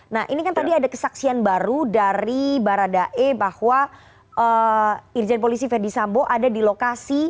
nah ini kan tadi ada kesaksian baru dari baradae bahwa irjen polisi verdi sambo ada di lokasi